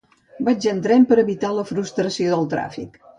Vaig en tren per evitar la frustració del tràfic.